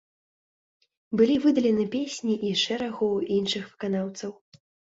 Былі выдалены песні і шэрагу іншых выканаўцаў.